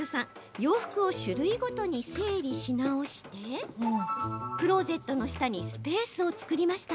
洋服を種類ごとに整理し直してクローゼットの下にスペースを作りました。